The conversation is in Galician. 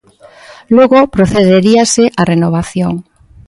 Logo procederíase á renovación.